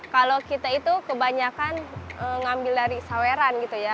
kalau kita itu kebanyakan ngambil dari saweran gitu ya